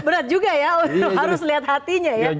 berat juga ya harus lihat hatinya ya